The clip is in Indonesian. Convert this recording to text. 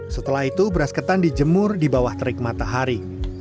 setelah itu beras ketan dijemur di bawah terik matahari